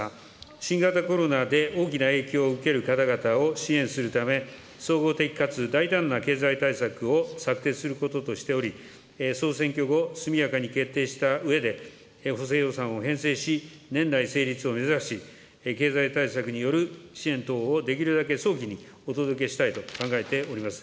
新型コロナで大きな影響を受ける方々を支援するため、総合的かつ大胆な経済対策を策定することとしており、総選挙後、速やかに決定したうえで、補正予算を編成し、年内成立を目指し、経済対策による支援等をできるだけ早期にお届けしたいと考えております。